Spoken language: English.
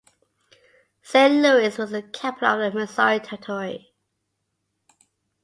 Saint Louis was the capital of the Missouri Territory.